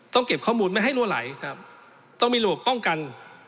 เก็บข้อมูลไม่ให้รั่วไหลครับต้องมีระบบป้องกัน